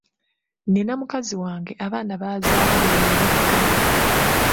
Nina mukazi wange abaana bazaala be yeebikka.